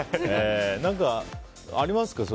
何かありますか？